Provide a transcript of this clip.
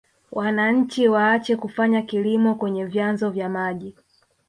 Wananchi waache kufanya kilimo kwenye vyanzo vya maji